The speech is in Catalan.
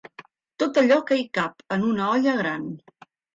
Tot allò que hi cap en una olla gran.